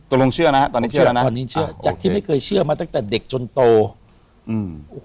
ลงเชื่อนะฮะตอนนี้เชื่อแล้วนะตอนนี้เชื่อจากที่ไม่เคยเชื่อมาตั้งแต่เด็กจนโตอืม